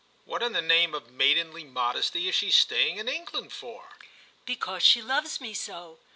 "What in the name of maidenly modesty is she staying in England for?" "Because she loves me so!"